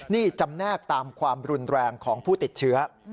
นี่จำแนกตามความรุนแรงของผู้ติดเชื้อ